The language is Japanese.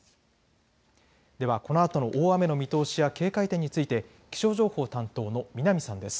では、このあとの大雨の見通しや警戒点について気象情報担当の南さんです。